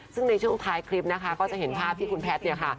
ซึ่งในช่วงท้ายคลิปนะคะก็จะเห็นภาพที่คุณแพทย์เนี่ยค่ะ